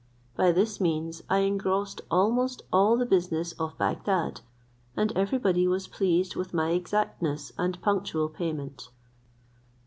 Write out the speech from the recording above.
By this means I engrossed almost all the business of Bagdad, and everybody was pleased with my exactness and punctual payment.